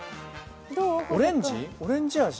オレンジ味？